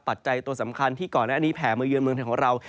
ปัจจัยตัวสำคัญที่ก่อนหน้านี้แผ่มาเยือนเมืองไทยของเรา